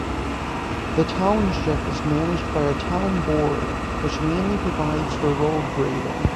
The township is managed by a town board which mainly provides for road grading.